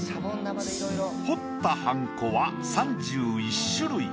彫ったはんこは３１種類。